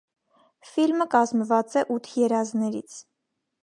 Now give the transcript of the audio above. Ֆիլմը կազմված է ութ երազներից։